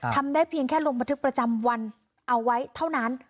ทำได้เพียงแค่ลงบันทึกประจำวันเอาไว้เท่านั้น